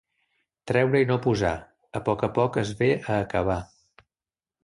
Treure i no posar, a poc a poc es ve a acabar.